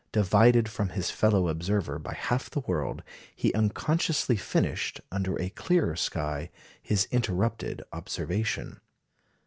Divided from his fellow observer by half the world, he unconsciously finished, under a clearer sky, his interrupted observation.